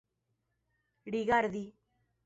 rigardi